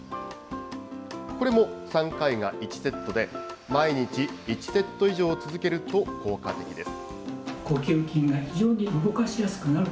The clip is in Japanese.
これも３回が１セットで、毎日１セット以上続けると効果的です。